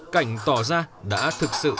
cảnh tỏ ra đã thực sự